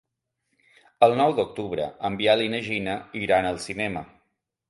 El nou d'octubre en Biel i na Gina iran al cinema.